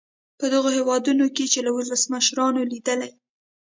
په دغو هېوادونو کې یې له ولسمشرانو لیدلي.